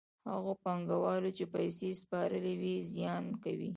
هغو پانګوالو چې پیسې سپارلې وي زیان کوي